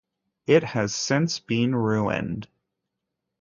It has since been ruined.